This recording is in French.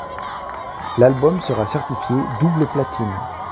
L'album sera certifié double platine.